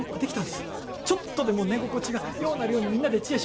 ちょっとでも寝心地がようなるようにみんなで知恵絞って改良しました。